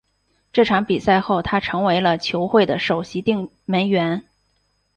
这场比赛后他成为了球会的首席定门员。